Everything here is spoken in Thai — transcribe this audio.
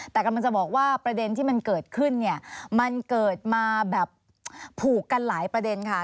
แต่กำลังจะบอกว่าประเด็นที่มันเกิดขึ้นเนี่ยมันเกิดมาแบบผูกกันหลายประเด็นค่ะ